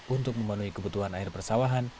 untuk memenuhi kebutuhan air persawahan